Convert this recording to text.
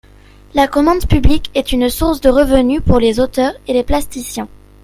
La commande publique est une source de revenus pour les auteurs et les plasticiens.